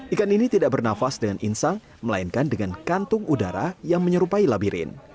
ikan ini tidak bernafas dengan insang melainkan dengan kantung udara yang menyerupai labirin